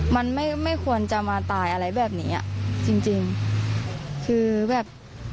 มันไม่ไม่ควรจะมาตายอะไรแบบนี้อ่ะจริงจริงคือแบบ